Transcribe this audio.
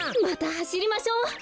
またはしりましょう！